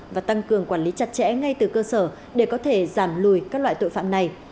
và tăng cường quản lý chặt chẽ ngay từ cơ sở để có thể giảm lùi các loại tội phạm này